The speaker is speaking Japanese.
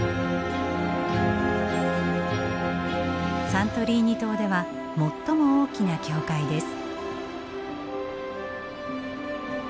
サントリーニ島では最も大きな教会です。